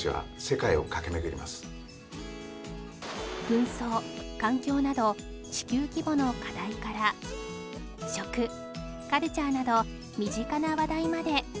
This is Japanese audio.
紛争環境など地球規模の課題から食カルチャーなど身近な話題まで